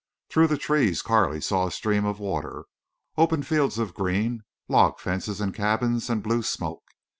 Through the trees Carley saw a stream of water, open fields of green, log fences and cabins, and blue smoke.